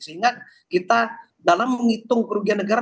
sehingga kita dalam menghitung kerugian negara